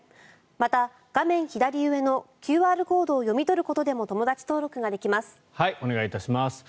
また、画面左上のＱＲコードを読み取ることでもお願いいたします。